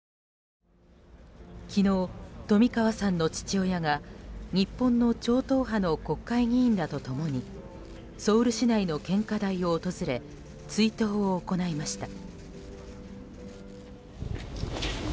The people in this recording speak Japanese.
昨日、冨川さんの父親が日本の超党派の国会議員らと共にソウル市内の献花台を訪れ追悼を行いました。